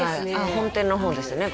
本店の方ですね